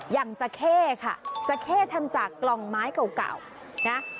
อย่างจะเข้ค่ะจะเข้ทำจากกล่องไม้เก่านะ